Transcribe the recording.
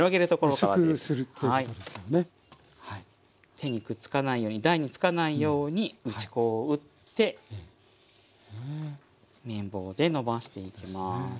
手にくっつかないように台につかないように打ち粉を打って麺棒でのばしていきます。